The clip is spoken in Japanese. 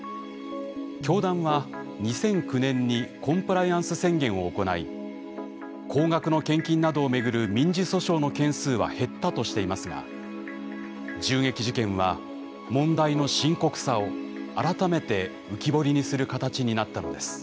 教団は２００９年にコンプライアンス宣言を行い高額の献金などをめぐる民事訴訟の件数は減ったとしていますが銃撃事件は問題の深刻さを改めて浮き彫りにする形になったのです。